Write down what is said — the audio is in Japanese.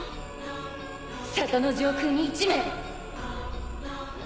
里の上空に１名。